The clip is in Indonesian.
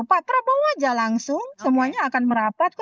pak prabowo aja langsung semuanya akan merapat